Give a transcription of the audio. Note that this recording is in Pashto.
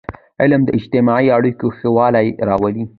علم د اجتماعي اړیکو ښهوالی راولي.